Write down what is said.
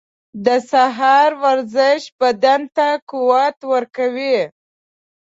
• د سهار ورزش بدن ته قوت ورکوي.